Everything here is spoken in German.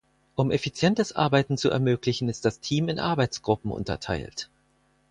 Um effizientes Arbeiten zu ermöglichen, ist das Team in Arbeitsgruppen unterteilt.